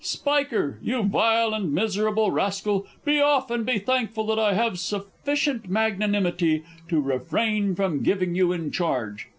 Spiker, you vile and miserable rascal, be off, and be thankful that I have sufficient magnanimity to refrain from giving you in charge.